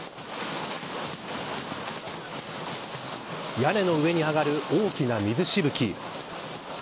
屋根の上に上がる大きな水しぶき。